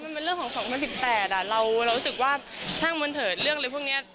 มันเป็นเรื่องของ๒๐๑๘เรารู้สึกว่าช่างบนเถิดเรื่องอะไรพวกนี้